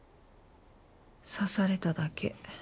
刺されただけ。